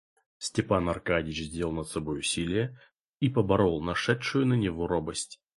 Степан Аркадьич сделал над собой усилие и поборол нашедшую на него робость.